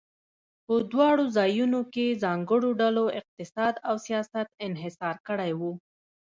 په دواړو ځایونو کې ځانګړو ډلو اقتصاد او سیاست انحصار کړی و.